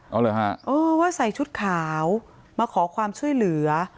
เอาเหรอฮะอ๋อว่าใส่ชุดขาวมาขอความช่วยเหลือ